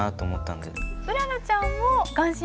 うららちゃんも顔真？